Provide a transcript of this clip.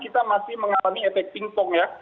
kita masih mengalami efek pingpong ya